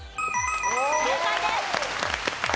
正解です。